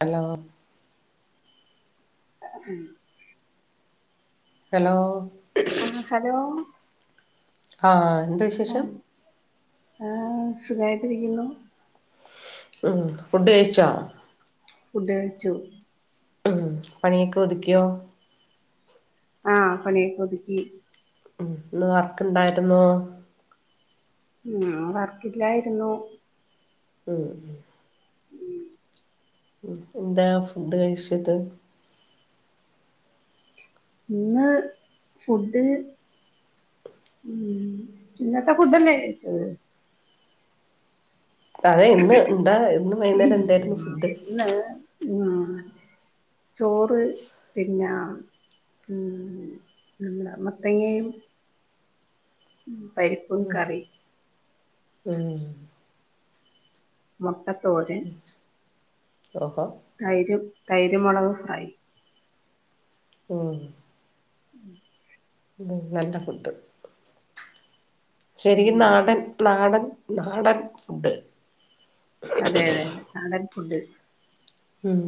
Hello അഹും hello ആഹ് hello ആഹ് ണ്ട് അഹ് ആഹ് സുഖായിട്ടിരിക്കുന്നു ഉം ഫുഡ് കഴിച്ചോ ഫുഡ് കഴിച്ചു ഉം പണിയൊക്കെ ഒതുക്കിയോ ആഹ് പണിയൊക്കെ ഒതുക്കി ഉം ഇന്ന് വർക്ക് ഉണ്ടായിരുന്നോ ഉം ന്ന് വർക്കില്ലായിരുന്നു ഉം ഉം എന്താ ഫുഡ് കഴിച്ചത് ഇന്ന് ഫുഡ് ഉം ഇന്നത്തെ ഫുഡല്ലേ ചോയ്ച്ചത് അതെ ഇന്ന് എന്താ ഇന്ന് വൈകുന്നേരം എന്തായിരുന്നു ഫുഡ് ഇന്ന് ആഹ് ചോറ് പിന്നാ ഉം [unintelligible] മത്തങ്ങയും പരിപ്പും ഉം കറി [unintelligible] മൊട്ട ത്തോരൻ ഓഹോ തൈരും തൈരും മൊളവും ഫ്രൈ ഉം ഉം നല്ല ഫുഡ് ഉം ശെരിക്കും നാടൻ നാടൻ നാടൻ ഫുഡ് അതെ അതെ അതെ നാടൻ ഫുഡ് ഉം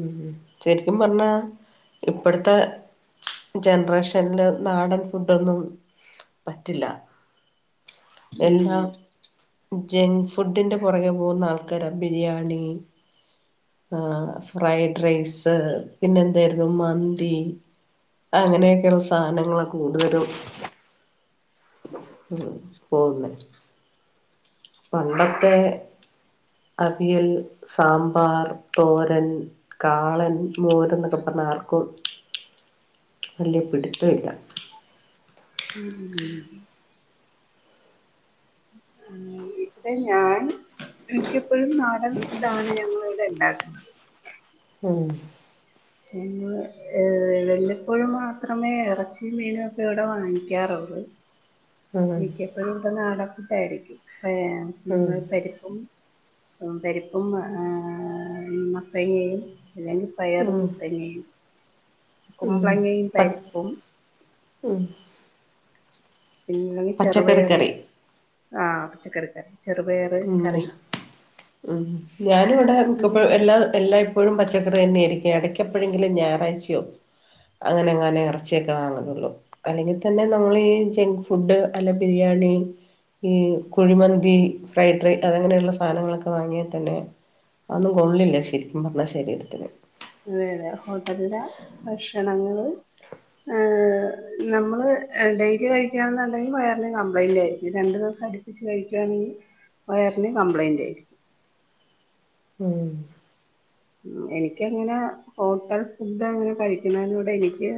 ശെരിക്കും പറഞ്ഞാ ഇപ്പഴ്ത്തെ ജൻറേഷൻല് നാടൻ ഫുഡ് ഒന്നും പറ്റില്ല ഉം എല്ലാം ജങ്ക് ഫുഡിന്റെ പുറകെ പോകുന്ന ആൾക്കാരാ ബിരിയാണി ആഹ് ഫ്രൈഡ് റൈസ് പിന്നെന്തായിരുന്നു മന്തി. അങ്ങനെയൊക്കെയുള്ള സാധനങ്ങൾ കൂടുതലും. ഉം പോകുന്ന. പണ്ടത്തെ അവിയൽ, സാമ്പാർ, തോരൻ. കാളൻ, മോര് എന്നൊക്കെ പറഞ്ഞ ആർക്കും വല്യയ പിടുത്തമില്ല. ഉം ഉം ഉം ഇവിടെ ഞാൻ എനിക്കപ്പോഴും നാടൻ ഫുഡ് ആണ് ഞങ്ങള ഇവിടെ ഉണ്ടാക്കുന്നത്. ഉം പിന്നെ ഏർ വല്ലപ്പോഴും മാത്രമേ ഇറച്ചിയ മീനും ഒക്കെ ഇവിടെ വാങ്ങിക്കാറുള്ളൂ. ഉം മിക്കപ്പോഴും ഇവിടെ നാടൻ ഫുഡയിരിക്കും ഉം പരിപ്പും പരിപ്പും മത്തങ്ങയും അല്ലെങ്കിൽ പയറും ഉം ത്തങ്ങയും. ഉം [unintelligible] പിന്നെ ചെറുപയർ പച്ചക്കറിക്കറി ആഹ് പച്ചക്കടക്ക ചെറപയർ. ഉം ഉം ഞാനും ഇവിടെ മിക്കപ്പോ ഇങ്ങനെ യും എല്ലായ് എല്ലാ എപ്പോഴും പച്ചക്കറി തന്നെയായിരിക്കും ഇടക്കപ്പോഴെങ്കും ഞായറാഴ്ചയോ അങ്ങനെ എങ്ങാനും ഇറച്ചിയൊക്കെ വാങ്ങുന്നുള്ളൂ. അല്ലെങ്കിൽ തന്നെ നമ്മൾ ഈ ജങ്‌ ഫുഡ് അല്ല ബിരിയാണി. ഈ കുഴിമന്തി ഫ്രൈഡ് റൈസ് അതങ്ങനെയുള്ള സാധനങ്ങളൊക്കെ വാങ്ങിയാൽ തന്നെ, അതന്നും കൊള്ളില്ല. ശരിക്കും പറഞ്ഞാൽ ശരീരത്തിന്. അതെ അതെ ഹോട്ടലില ഭക്ഷണങ്ങള്. നമ്മള് ഡെയിലി കഴിക്കണെന്നുണ്ടെങ്കിൽ വയറിനും കംപ്ലൈന്റ് ആയിരിക്കും രണ്ടു ദിവസം അടുപ്പിച്ച് ച്ച് കഴിക്കുകവാണെങ്കിൽ വയറിന് കംപ്ലയിൻറ് ആയി. ഉം എനിക്കങ്ങനെ ഹോട്ടൽ ഫുഡ്ങ്ങനെ കഴിക്കുന്നതിനോട് എനിക്ക്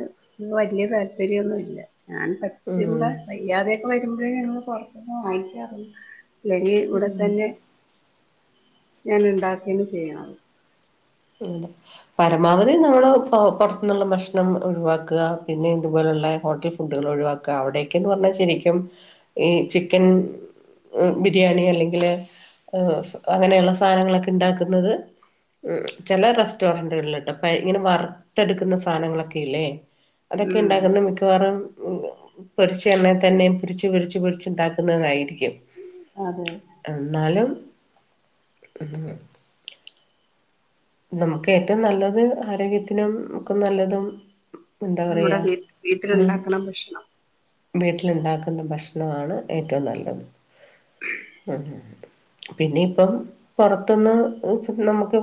വലിയ താല്പര്യംന്നു ഇല്ല ഞാൻ ഉം പറ്റുമ്പ ഇല്ലാതെയൊക്കെ വരുമ്പോഴേ ഞങ്ങൾ പുറത്തന്ന് വാങ്ങിക്കറു അല്ലെങ്കി ഉം ഇവിടെത്തന്നെ, ഞാൻ ഉണ്ടാക്കിയാണ് ചെയ്യണത്. ഉം പരമാവധി നമ്മള് പുറത്തുന്നുള്ള ഭക്ഷണം ഒഴിവാക്കുക. പിന്നെ ഇതുപോലുള്ള ഹോട്ടൽ ഫുഡെക്കെ ഒഴിവാക്കുക. അവിടെക്കന്ന് പറഞ്ഞാൽ ശരിക്കും ഈ ചിക്കൻ ബിരിയാണി അല്ലെങ്കില് അങ്ങനെയുള്ള സാധനങ്ങളൊക്കെ ഉണ്ടാക്കുന്നത്. ചില റെസ്റ്റോറന്റുകളിലിട്ടോ അപ്പ ഇങ്ങനെ വറുത്തെടുക്കുന്ന സാധനങ്ങളൊക്കെ ഇല്ലേ. അതൊക്കെ ഉം ഉണ്ടകുന്ന മിക്കവാറും പൊരിച്ച എണ്ണെ തന്നെ പൊരിച്ച് പൊരിച്ച് പൊരിച്ച് ഇണ്ടാക്കുന്നതായിരിക്കും. ഉം അതെ എന്നാലും ഉം നമുക്ക് ഏറ്റവും നല്ലത് ആരോഗ്യത്തിനും നമുക്ക് നല്ലതും എന്താ നമ്മുടെ പറയാ വീ വീട്ടില് ഇണ്ടാക്ണ ഭക്ഷണം വീട്ടില്ണ്ടാക്ക്ണ ഭക്ഷണമാണ് ഏറ്റവും നല്ലത് ഉം ഉം പിന്നെ ഇപ്പം പുറത്ത്ന്ന് ഫു നമുക്ക്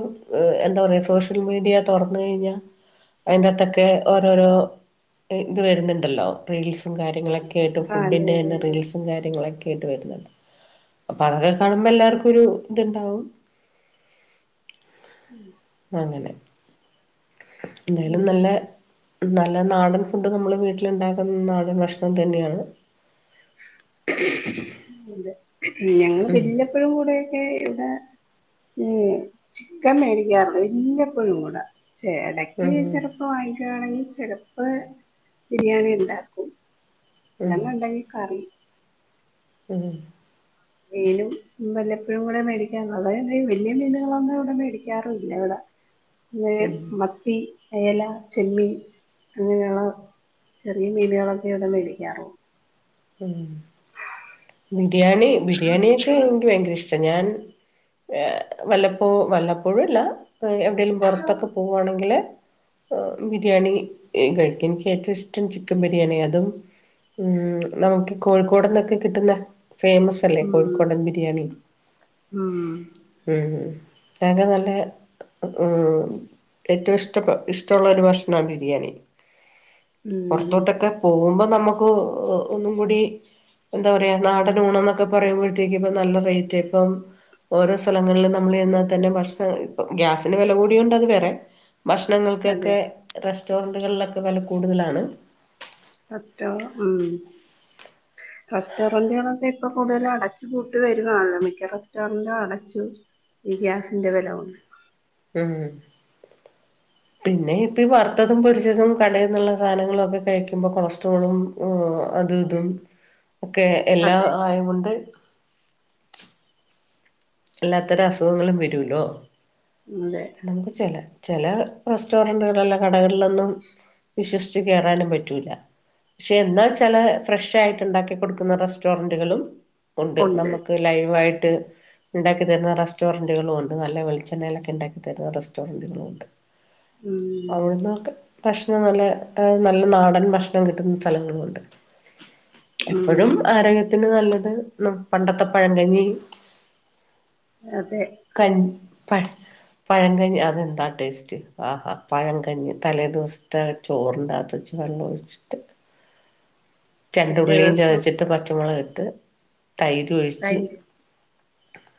എന്താ പറയാ സോഷ്യൽ മീഡിയ തുറന്ന് കഴിഞ്ഞാ അയ്ന്റെകത്തൊക്കെ ഓരോരോ ഇത് വരുന്നുണ്ടല്ലോ റീൽസും കാര്യങ്ങളൊക്കെ കേട്ട ആ അതെ അതെ ഫുഡിന്റെന്നെ അതെ റീൽസ് സും കാര്യങ്ങളൊക്കെ ആയിട്ട് വരുന്നത് അപ്പൊ അതൊക്കെ കാണുമ്പോ എല്ലാർക്കും ഒരു ഇത് ഇണ്ടാവും ഉം അങ്ങനെ എന്തായാലും നല്ലേ ഉം നല്ല നാടൻ ഫുഡ് നമ്മള് വീട്ടില് ഇണ്ടാക്കുന്ന നാടൻ ഭക്ഷണം തന്നെയാണ് ഇ അതെ ഞങ്ങള് വലപ്പോഴും കൂടെ ഒക്കെ ഇവടെ ഉം ചിക്കൻ മേടിക്കാറ് വല്ലപ്പോഴും കൂടെ ചേട ഇക്ക് ഉം ചെലപ്പ വാങ്ങിക്കണെങ്കി ചെലപ്പളെ ബിരിയാണി ഇണ്ടാക്കും ഉം [unintelligible] ഇണ്ടങ്കി കറി ഉം മീനും വല്ലപ്പോഴും കൂടെ മേടിക്കാറുള്ളത് വെല്യേ മീനുകളൊന്നും ഇവിടെ മേടിക്കാറുല്ല ഇവടെ ഉ പിന്നെ മത്തി അയല, ചെമ്മീൻ അങ്ങനെയുള്ള ചെറിയ മീനുകളൊക്കെ ഇവിടെ മേടിക്കാറുള്ളു ഉം ബിരിയാണി ബിരിയാണിയൊക്കെ എനിക്ക് ഭയങ്കര ഇഷ് ഞാൻ വല്ലപ്പോ വല്ലപ്പോഴുല്ല എവിടെലും പുറത്തൊക്കെ പോ പോണെങ്കില് ബിരിയാണി കഴിക്കും എനിക്ക് ഏറ്റവും ഇഷ്ടം ചിക്കൻ ബിരിയാണി അതും ഉം നമുക്ക് കോഴിക്കോട്ന്നൊക്കെ കിട്ടുന്ന ഫേമസ് ല്ലേ ഉം കോഴിക്കോടൻ ബിരിയാണി ഉം ഉം [unintelligible] നല്ല ഉം ഏറ്റവും ഇഷ്ട ഇഷ്ടള്ള ഒരു ഭക്ഷണാ ബിരിയാണി ഉം പുർത്തോട്ടൊക്കെ പോകുമ്പോ നമുക്ക് ഒന്നും കൂടി എന്താ പറയാ നാടൻ ഊണന്നൊക്കെ പറയുമ്പോഴത്തേക്ക് ഇപ്പ നല്ല റേറ്റാ ഇപ്പം ഓരോ സ്ഥലങ്ങളിലും നമ്മള് ചെന്നാ തന്നെ ഭക്ഷണം ഇപ്പ ഗ്യാസിന് വില കൂടിയ കൊണ്ട് അത് വേറെ അതെ ഭക്ഷണങ്ങൾക്കൊക്കെ റെസ്റ്റോറന്റുകളിലൊക്കെ വെല കൂടുതലാണ് പറ്റോ ഉം [unintelligible] റസ്റ്റോറന്റുകളൊക്കെ ഇപ്പൊ കൂടുതലും അടച്ചു പൂട്ട് വരുന്നല്ലോ മിക്ക റസ്റ്റോറന്റും അടച്ചു ഈ ഗ്യാസിന്റെ വെല കോണ്ട് ഉം പിന്നെ ഇപ്പ ഈ വറുത്തതും, പൊരിച്ചതും കടെന്നുള്ള സാധനങ്ങളൊക്കെ കഴിക്കുമ്പോ കൊളസ്ട്രോളും ഓഹ് അതും ഇതും ഒക്കെ എല്ലാം അതെ ആയോണ്ട് എല്ലാത്തരം അസുഖങ്ങളും വരുല്ലോ അതെ നമ്മക്ക് ചേല ചേല റസ്റ്റോറന്റ് കടകളിലൊന്നും വിശ് ച്ച് കയറാനും പറ്റൂല്ല പക്ഷെ ന്നച്ചാൽ ഫ്രഷ് ആയിട്ട് ണ്ടാക്കി കൊടുക്കുന്ന റെസ്റ്റോറൻറുകളും ഉണ്ട് നമുക്ക് ലൈവായിട്ട് ഉണ്ടാക്കി തരുന്ന റെസ്റ്റോറൻറുകളും ഉണ്ട് നല്ല വെളിച്ചെണ്ണയിലൊക്കെ ഉണ്ടാക്കിത്തരുന്ന റെസ്റ്റോറൻറുകളും ഉണ്ട് ഉം അവിടുന്ന്ക്കെ ഭക്ഷണം നല്ല നല്ല നാടൻ ഭക്ഷണം കിട്ടുന്ന സ്ഥലങ്ങളുണ്ട് എപ്പോഴും ഉം ആരോഗ്യ തിന് നല്ലത് പണ്ടത്തെ പഴങ്കഞ്ഞി അതെ കൺ പ പഴംങ്കഞ്ഞി അതെന്താ ടേസ്റ്റ് ആഹാ പഴംങ്കഞ്ഞഞ് തലേദിവസത്തെ ചോറണ്ടകത്ത വെച്ച് വെള്ളമ ഒഴിച്ചിട്ട് പിറ്റേ ചെണ്ടുള്ളിയും ദിവസം ചതച്ചിട്ട് പച്ചമുളക ഇട്ട് തൈര് ഒഴിച്ച് കഴിഞ്ഞ്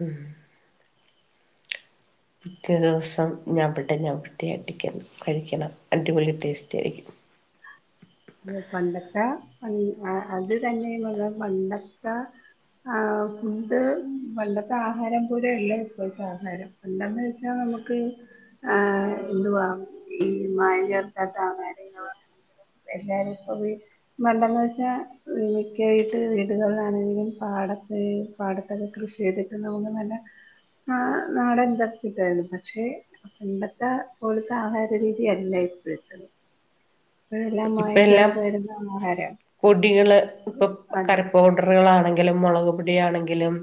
ഉം പിറ്റേ ദിവസം ഞവിടി ഞവിടി അടിക്കണം കഴിക്കണം അടി പൊളി ടേസ്റ്റ ആയിരിക്കും പണ്ടൊത്തെ അത് തന്നെയ ഞാൻ പറഞ്ഞ പണ്ടത്തെ ആ ഫണ്ട് പണ്ടത്തെ ആഹാരം പോലെയല്ല ഇപ്പോൾത്തെ ആഹാരം ണ്ടന്ന് വെച്ചാൽ നമുക്ക് ആഹ് എന്തുവാ ഈ മായം ചേർക്കാത്ത ആഹാരം എല്ലാരും പ്പ വീ മണ്ടന്ന് വെച്ചാൽ വിക്കായിട്ട് വീടുകളിലാണെങ്കിലും പാടത്ത് പാടത്തൊക്കെ കൃഷി ചെയ്തിട്ട് നമുക്ക് നല്ല ആ നാടൻ തൊക്കെ കിട്ടായിരുന്നു പക്ഷെ പണ്ടത്തെ പോലത്തെ ആഹാര രീതിയല്ല ഇപ്പോഴത്തത്. ഇവയെല്ലാം ഇപ്പ മായം എല്ലാം ചേർത്ത് വരുന്ന ആഹാരമാണ് പൊടികൾ, ഇപ്പൊ അതെ കറിപ്പൗഡർ. കറികളാണെങ്കിലും, മുളക്പൊടിയാണെങ്കിലും.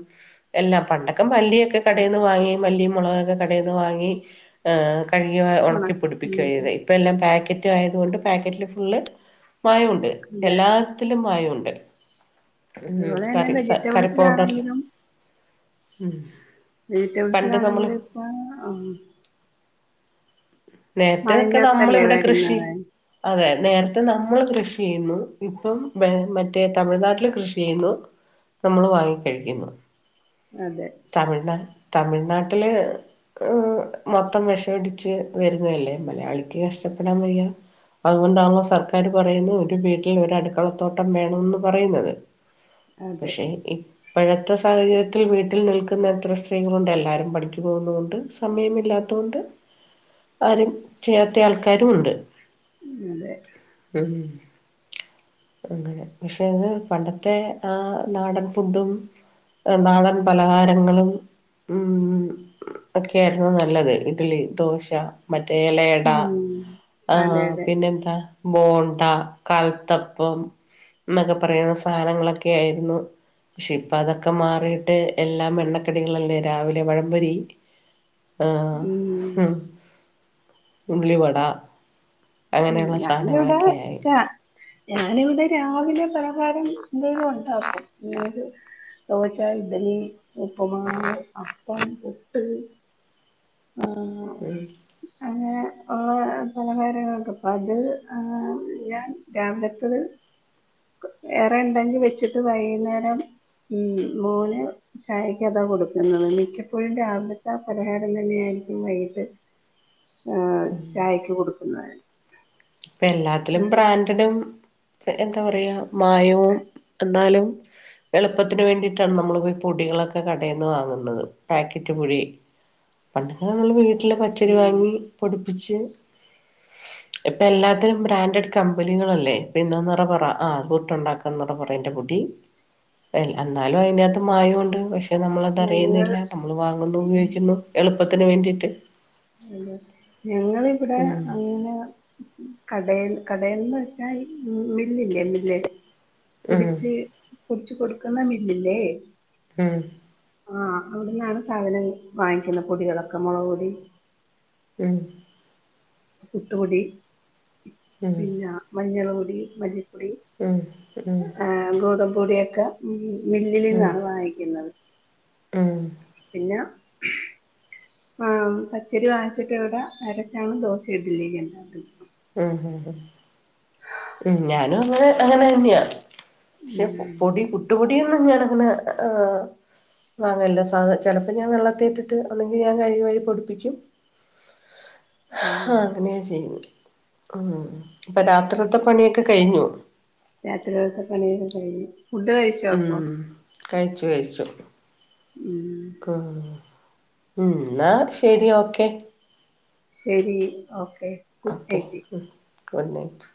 എല്ലാം പണ്ടൊക്കെ മല്ലിയൊക്കെ കടയിൽ നിന്ന് വാങ്ങി മല്ലി മുളകൊക്കെ കടയിൽ നിന്ന് വാങ്ങി കഴുകി ഉണ ഉണക്കി ഉം പൊടിപ്പിക്കുകയായിരുന്നു. ഇപ്പ എല്ലാം പാക്കറ്റ് ആയതുകൊണ്ട് പാക്കറ്റിൽ ള്ള മായണ്ട് അതെ എല്ലാത്തിലും മായമുണ്ട്. ഉം അതുപോലെ തന്നെ കറി കറി പൗഡർല്ല്, വെജിറ്റബിൾസിലാണെങ്കിലും ഉം വെജിറ്റബിൾസാണെങ്കിൽ ഇപ്പ ആ മായം നേരത്തതൊക്കെ നമ്മള് ചേർത്തല്ലേ ഇവിടെ കൃഷി വരുന്നത് അതെ നേരത്തെ നമ്മൾ കൃഷി ചെയ്യുന്നു. ഇപ്പം മറ്റേ തമിഴ്നാട്ടില് കൃഷി ചെയ്യുന്നു. നമ്മൾ വാങ്ങിക്കഴിക്കുന്നു. അതെ തമിഴ്ന തമിഴ്നാട്ടിൽ മൊത്തം വിഷം അടിച്ച്, വരുന്നതല്ലേ മലയാളിക്ക് കഷ്ടപ്പെടാൻ വയ്യ. അതുകൊണ്ടാണല്ലോ സർക്കാര് പറയുന്നു ഒരു വീട്ടിൽ ഒരു അടുക്കളത്തോട്ടം വേണംന്ന് പറയുന്നത്. അതെ പക്ഷെ ഇ ഇപഴത്തെ സാഹചര്യത്തിൽ വീട്ടിൽ നിൽക്കുന്ന എത്ര സ്ത്രീകളുണ്ട് എല്ലാവരും പണിക്കു പോകുന്നതു കൊണ്ട് സമയമില്ലാത്തുകൊണ്ട് ആരും ചെയ്യാത്ത ആൾക്കാരും ഉണ്ട്. അതെ ഉം അങ്ങനെ പക്ഷെ അത് പണ്ടത്തെ ആ നാടൻ ഫുഡും. നാടൻ പലഹാരങ്ങളും. ഉം ഒക്കെ ആയിരുന്നു നല്ലത്. ഇഡ്ലി, ദോശ. മറ്റേ ഇലയിട ഉം ആഹ അതെ അതെ പിന്നെന്താ ബോണ്ട, കൽത്തപ്പം എന്നൊക്കെ പറയുന്ന സാധനങ്ങളൊക്കെ ആയിരുന്നു. പക്ഷെ ഇപ്പം അതൊക്കെ മാറിയിട്ട് എല്ലാം എണ്ണക്കടികളല്ലേ രാവിലെ പഴം പൊരി. ആഹ് ഉം ഹും. ഉള്ളിവട, ഉം അങ്ങനെയുള്ള ഞാനിവടെ സാധനങ്ങളൊക്കെ ആയി ചാ ഞാനിവിടെ രാവിലെ പലഹാരം എന്തെങ്കിലും ഉണ്ടാക്കും. [unintelligible] ദോച്ചാ, ഇഡലി, ഉപ്പുമാവ്, അപ്പം, പുട്ട്. ആഹ് ഉം അങ്ങനെ ഉള്ള പലഹാരങ്ങളൊക്കെ ഇപ്പ അത് ആഹ് ഞാൻ രാവിലത്തത് ക് ഏറെ ഇണ്ടെങ്കി വെച്ചിട്ട് വൈകുന്നേരം. ഉം മോന് ചായക്ക് അതാ കൊടുക്കുന്നത്. മിക്കപ്പോഴും രാവിലത്താ പലഹാരം അപ്പം തന്നെ ആയിരിക്കും വൈകിട്ട് ആ ഉം ചായക്ക് കൊടുക്കുന്നത്. ഇപ്പ എല്ലാത്തിലും ബ്രാൻ ട്ട്ടും എന്താ പറയാ മായവും എന്നാലും. എളുപ്പത്തിന് വേണ്ടിയിട്ടാണ് നമ്മളിപ്പൊ പൊടികളൊക്കെ കടേന്ന് വാങ്ങുന്നത്, പാക്കറ്റ് പൊടി. പണ്ടൊക്കെ നമ്മള് വീട്ടില് പച്ചരി ഉം വാങ്ങി പൊടിപ്പിച്ച്, ഇപ്പൊ എല്ലാത്തിനും ബ്രാൻഡഡ് കമ്പനികളല്ലേ, ഇപ്പെയെന്താ നിറ പറ ആഹ് പുട്ട്ണ്ടാക്കാൻ നിറപറ ൻ്റെ പൊടി. എൽ എന്നാലും അയിന്റെകത്ത് മായവുണ്ട്. പക്ഷെ ഞങ്ങൾ നമ്മളതറിയുന്നില്ല. നമ്മൾ വാങ്ങുന്നു, ഉം ഉപയോഗിക്കുന്നു, എളുപ്പത്തിന് വേണ്ടിയിട്ട്. അതെ. ഞങ്ങളിവിടെ ഉം അങ്ങനെ കടേന്ന് കടേന്ന് വെച്ചാൽ മില്ലില്ലേ മില്ല്. ഉം പൊടിച്ച് പൊടിച്ചു കൊടുക്കുന്ന മില്ലില്ലേ. ഉം ആഹ് അവിട്ന്നാണ് സാധനം വാങ്ങിക്കുന്ന പൊടികളൊക്കെ മുളക് പൊടി ഉം പുട്ടുപൊടി ഉം പിന്നാ മഞ്ഞള് പൊടി മല്ലിപ്പൊടി ഉം ഉം ആഹ് ഗോതമ്പ് പൊടിയൊക്കെ ഉം മില്ലിലിന്നാണ് വാങ്ങിക്കുന്നത്. ഉം പിന്ന ആഹ് പച്ചരി വാങ്ങിച്ചിട്ട് ഇവിടെ അരച്ചാണ് ദോശ ഇഡലിയൊക്കെ ഉണ്ടാക്കുന്നെ. ഉം ഹും ഹും. ഉം ഞാനും അങ്ങനെ അങ്ങനെ തന്ന്യാ. പക്ഷെ ഉം പൊടി പുട്ടുപൊടിയോന്നും ഞാൻ അങ്ങനെ ആഹ് വാങ്ങല്ല. സാ ചെലപ്പം ഞാൻ വെള്ളത്തി ഇട്ടിട്ട് ഒന്നെങ്കി ഞാൻ കഴുകി വാരി പൊടിപ്പിക്ക്യും. ഹാ ആഹ് അങ്ങനെയാ ചെയ്യുന്നെ. ഉം ഇപ്പ രാത്രിക്കത്തെ പണിയൊക്കെ കഴിഞ്ഞൊ? രാത്രിയിലത്തെ പണി ഒക്കെ കഴിഞ്ഞ്. ഫുഡ് കഴിച്ചോ ഉം അപ്പൊ? കഴിച്ചു കഴിച്ചു. ഉം ഉം ന്നാ ശരി ഓക്കെ. ശരി ഓക്കെ. ഗുഡ് ഓക്കെ നൈറ്റ് ഉം ഗുഡ് നൈറ്റ്.